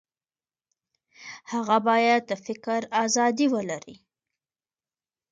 هغه باید د فکر ازادي ولري.